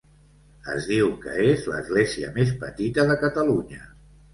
Es diu que és l'església més petita de Catalunya.